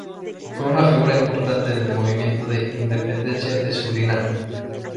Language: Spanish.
Fue una figura importante en el movimiento de independencia de Surinam.